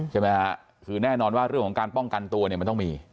ใช่ไหมฮะคือแน่นอนว่าเรื่องของการป้องกันตัวเนี่ยมันต้องมี